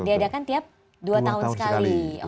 diadakan tiap dua tahun sekali